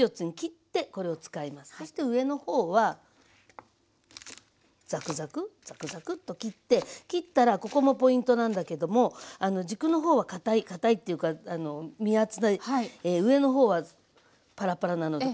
そして上の方はザクザクザクザクッと切って切ったらここもポイントなんだけども軸の方はかたいかたいっていうか身厚で上の方はパラパラなので。